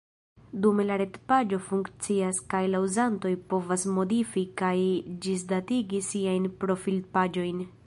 Dume la retpaĝo funkcias kaj la uzantoj povas modifi kaj ĝisdatigi siajn profilpaĝojn.